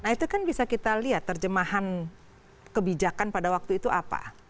nah itu kan bisa kita lihat terjemahan kebijakan pada waktu itu apa